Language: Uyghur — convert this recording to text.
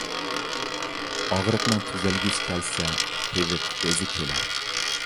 ئاغرىقنىڭ تۈزەلگۈسى كەلسە، تېۋىپ ئۆزى كېلەر.